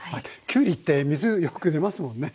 きゅうりって水よく出ますもんね。